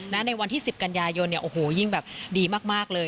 ในวันที่๑๐กันยายนยิ่งดีมากเลย